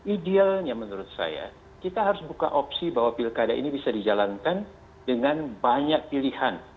idealnya menurut saya kita harus buka opsi bahwa pilkada ini bisa dijalankan dengan banyak pilihan